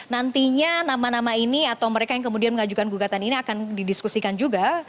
nantinya nama nama ini atau mereka yang kemudian mengajukan gugatan ini akan didiskusikan juga